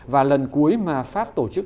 và lần cuối mà pháp tổ chức